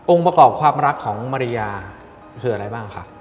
ประกอบความรักของมาริยาคืออะไรบ้างคะ